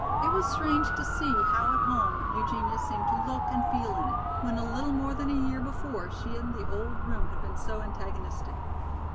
It was strange to see how at home Eugenia seemed to look and feel in it, when a little more than a year before she and the old room had been so antagonistic.